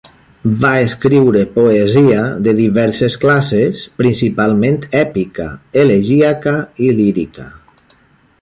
Va escriure poesia de diverses classes, principalment èpica, elegíaca i lírica.